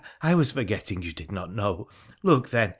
I was forgetting you did not know. Look, then